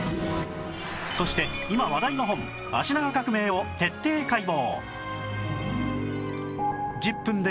そして今話題の本『脚長革命』を徹底解剖